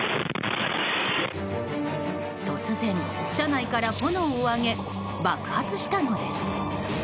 突然、車内から炎を上げ爆発したのです。